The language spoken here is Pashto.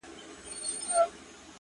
حسن خو زر نه دى چي څوك يې پـټ كــړي؛